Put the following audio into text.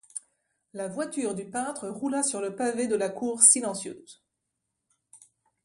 La voiture du peintre roula sur le pavé de la cour silencieuse.